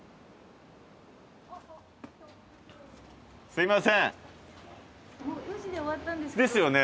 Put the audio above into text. すいませんね